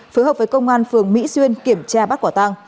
phối hợp với công an phường mỹ xuyên kiểm tra bắt quả tăng